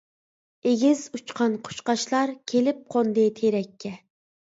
ئېگىز ئۇچقان قۇشقاچلار، كېلىپ قوندى تېرەككە.